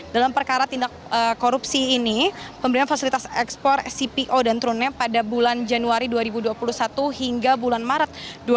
dalam perkara tindak korupsi ini pemberian fasilitas ekspor cpo dan trunei pada bulan januari dua ribu dua puluh satu hingga bulan maret dua ribu dua puluh